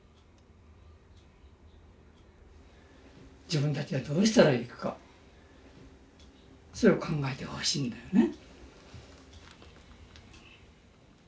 自分たちはどうしたらいいかそれを考えてほしいんだよね。